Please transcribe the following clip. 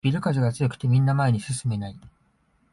ビル風が強くてみんな前に進めない